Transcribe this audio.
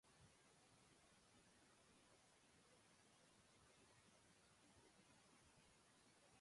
Durante la Primera Guerra Mundial.